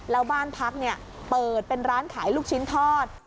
แล้วบ้านพักเปิดเป็นร้านขายลูกชิ้นทอด